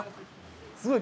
すごい！